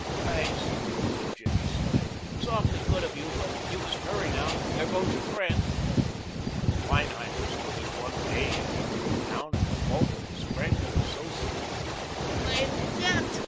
"Thanks," said Jimmy, smiling. "It's awfully good of you, but you must hurry now. There goes your friend." Feinheimer stood as one dazed, looking down at the bulk of his friend and associate. "Mein Gott!"